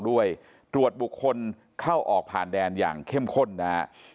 ด้วยตรวจบุคคลเข้าออกผ่านแดนอย่างเข้มข้นนะฮะ